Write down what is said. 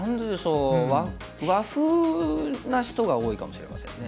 和風な人が多いかもしれませんね。